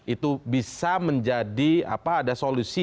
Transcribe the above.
itu bisa menjadi apa ada solusi